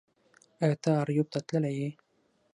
ایا ته اریوب ته تللی یې